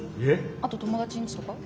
あと友達んちとか？